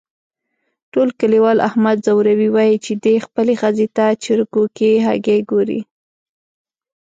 ټول کلیوال احمد ځوروي، وایي چې دی خپلې ښځې ته چرگو کې هگۍ گوري.